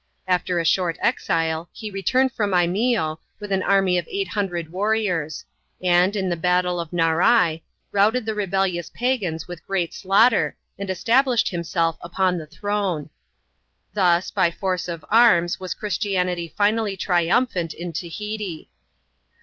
After a short exile, he returned from Imeeo, with an army of eight hundred warriors ; and, in the battle of Narii, routed the rebellious pagans with great slaughter, and reestablished himself upon the throne. Thus, by force of arms was Christianity finally triumphant in Tahiti.